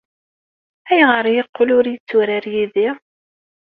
Ayɣer ay yeqqel ur yetturar yid-i?